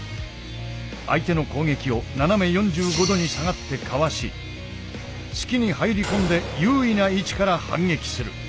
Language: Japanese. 相手の攻撃を斜め４５度に下がってかわし隙に入り込んで優位な位置から反撃する。